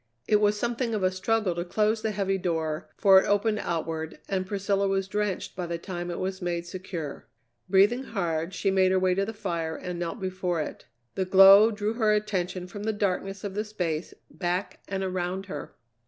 It was something of a struggle to close the heavy door, for it opened outward, and Priscilla was drenched by the time it was made secure. Breathing hard, she made her way to the fire and knelt before it. The glow drew her attention from the darkness of the space back and around her.